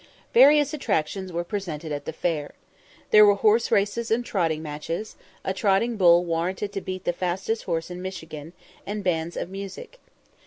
Various attractions were presented at the fair. There were horse races and trotting matches; a trotting bull warranted to beat the fastest horse in Michigan; and bands of music.